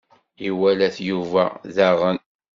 Iwala-t Yuba, daɣen.